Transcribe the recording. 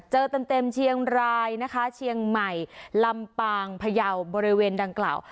เจอเต็มเชียงรายนะคะเชียงใหม่ลำปางพยาวบริเวณดังกล่าว